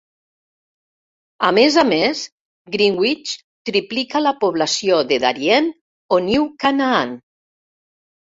A més a més, Greenwich triplica la població de Darien o New Canaan.